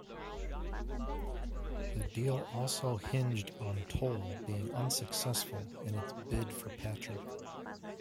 The deal also hinged on Toll being unsuccessful in its bid for Patrick.